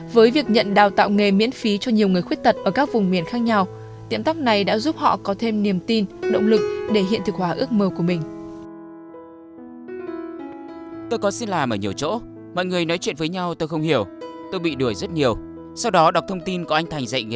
với việc nhận đào tạo nghề miễn phí cho nhiều người khuyết tật ở các vùng miền khác nhau tiễm tóc này đã giúp họ có thêm niềm tin động lực để hiện thực hòa ước mơ của mình